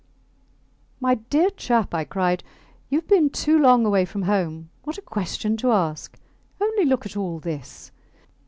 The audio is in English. My dear chap, I cried, you have been too long away from home. What a question to ask! Only look at all this.